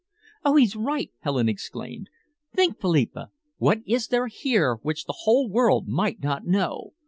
"Oh, he's right!" Helen exclaimed. "Think, Philippa! What is there here which the whole world might not know?